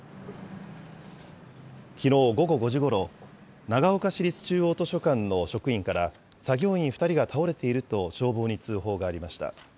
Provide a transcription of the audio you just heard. きのう午後５時ごろ、長岡市立中央図書館の職員から、作業員２人が倒れていると消防に通報がありました。